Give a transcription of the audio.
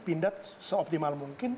pindah seoptimal mungkin